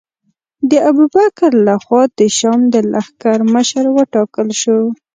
د ابوبکر له خوا د شام د لښکر مشر وټاکل شو.